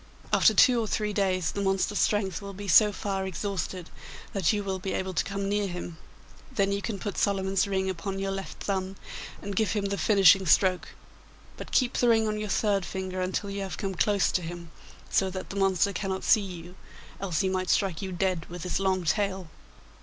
After two or three days the monster's strength will be so far exhausted that you will be able to come near him. Then you can put Solomon's ring upon your left thumb and give him the finishing stroke, but keep the ring on your third finger until you have come close to him, so that the monster cannot see you, else he might strike you dead with his long tail.